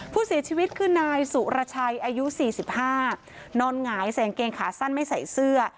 ผู้เสียชีวิตคือนายสุรชัยอายุ๔๕นอนหงายใส่กางเกงขาสั้นไม่ใส่เสื้อ